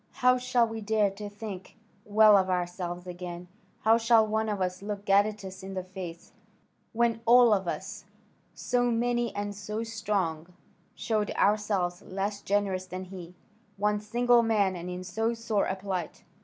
How shall we dare to think well of ourselves again? How shall one of us look Gadatas in the face, when all of us, so many and so strong, showed ourselves less generous than he, one single man and in so sore a plight?"